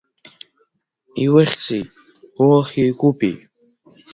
Иухьзеи, улахь еиқәупеи?